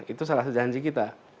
itu salah satu janji kita